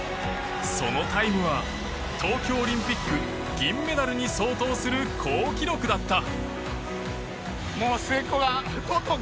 そのタイムは東京オリンピック銀メダルに相当する好記録だった。